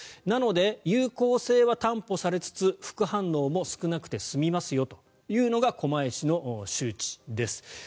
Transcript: なので有効性は担保されつつ副反応も少なくて済みますよというのが狛江市の周知です。